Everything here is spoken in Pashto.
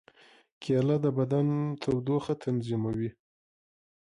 کېله د بدن تودوخه تنظیموي.